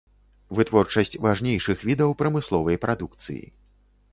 Вытворчасць важнейшых відаў прамысловай прадукцыі.